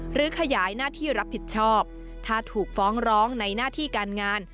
หรือขยายหน้าที่รับผิดชอบถ้าถูกฟ้องร้องในหน้าที่การงาน